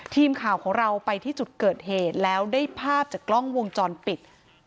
ทีมข่าวของเราไปที่จุดเกิดเหตุแล้วได้ภาพจากกล้องวงจรปิด